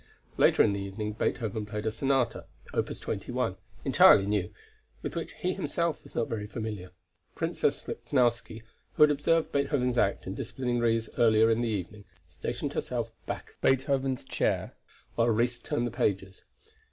Later in the evening Beethoven played a sonata (opus 21), entirely new, with which he himself was not very familiar. Princess Lichnowsky, who had observed Beethoven's act in disciplining Ries earlier in the evening, stationed herself back of Beethoven's chair, while Ries turned the pages.